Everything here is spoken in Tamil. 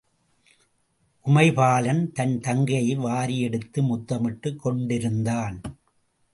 உமைபாலன் தன் தங்கையை வாரியெடுத்து முத்தமிட்டுக் கொண்டிருந்தான்.